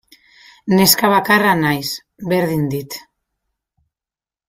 Neska bakarra naiz, berdin dit.